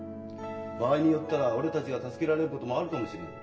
場合によったら俺たちが助けられることもあるかもしれん。